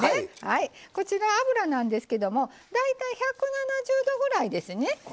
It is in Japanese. こちら油なんですけども大体１７０℃ぐらいですね。